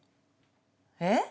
えっ？